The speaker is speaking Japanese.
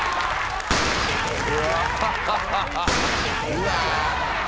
うわ！？